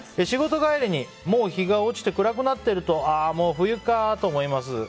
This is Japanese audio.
仕事帰りにもう日が落ちて暗くなってるともう冬かと思います。